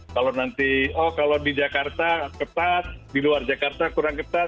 kalau nanti oh kalau di jakarta ketat di luar jakarta kurang ketat